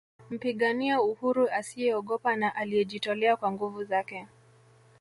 Mpigania uhuru asiyeogopa na aliyejitolea kwa nguvu zake